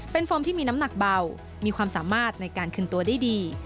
เป็นโฟมที่มีน้ำหนักเบามีความสามารถในการคืนตัวได้ดี